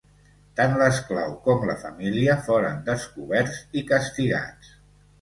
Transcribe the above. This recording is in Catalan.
Tant l'esclau com la família foren descoberts i castigats.